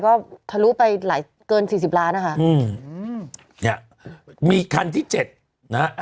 ก็ทะลุไปหลายเกิน๔๐ล้านนะคะอืมเนี่ยมีคันที่๗นะ